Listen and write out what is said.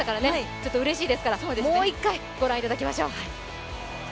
ちょっとうれしいですから、もう一回ご覧いただきましょう。